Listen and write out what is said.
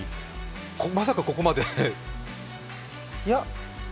まさかここまで。